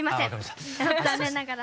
残念ながら。